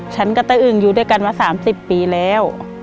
ฉันกับตะอึงอยู่ด้วยกันมา๓๐ปีแล้ว